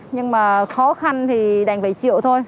nhưng mà khó khăn thì đành bảy triệu thôi